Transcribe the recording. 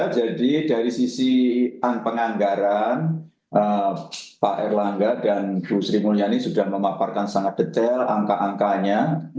jadi dari sisi penganggaran pak erlangga dan bu sri mulyani sudah memaparkan sangat detail angka angkanya